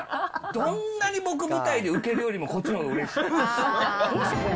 どんなに僕、舞台でウケるよりも、こっちのほうがうれしい。